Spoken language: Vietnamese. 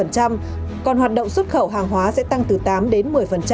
còn hoạt động xuất khẩu hàng hóa sẽ tăng từ tám đến một mươi